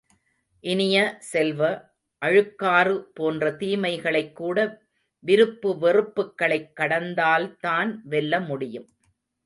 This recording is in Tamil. இனிய செல்வ, அழுக்காறு போன்ற தீமைகளைக் கூட விருப்பு வெறுப்புக்களைக் கடந்தால்தான் வெல்லமுடியும்.